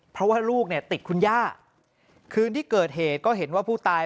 เพราะว่าลูกเนี่ยติดคุณย่าคืนที่เกิดเหตุก็เห็นว่าผู้ตาย